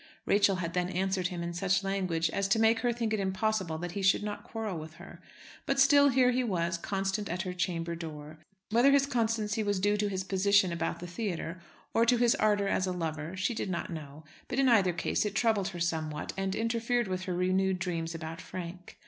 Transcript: Rachel had then answered him in such language as to make her think it impossible that he should not quarrel with her; but still here he was, constant at her chamber door. Whether his constancy was due to his position about the theatre or to his ardour as a lover, she did not know; but in either case it troubled her somewhat, and interfered with her renewed dreams about Frank.